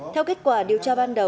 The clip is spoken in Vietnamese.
theo kết quả điều tra ban đầu